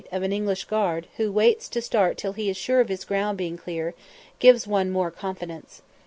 of an English guard, who waits to start till he is sure of his ground being clear, gives one more confidence.